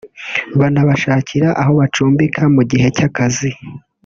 banabashakira aho bacumbika mu gihe cy’akazi